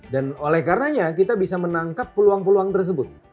dan oleh karenanya kita bisa menangkap peluang peluang tersebut